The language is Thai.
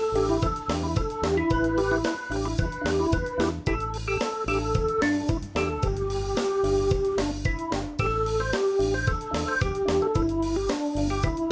ตลอดฐานเรื่องวันนี้พาคุณผู้ชมมาอยู่ที่นี่ค่ะ